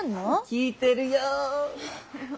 聞いてるよッ！